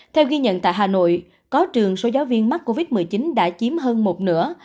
theo ghi nhận tại hà nội có trường số giáo viên mắc covid một mươi chín đã chiếm hơn một nửa